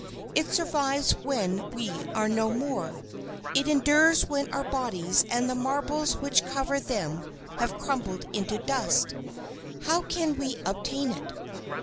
It survives when we are no more; it endures when our bodies and the marbles which cover them have crumbled into dust. How can we obtain it?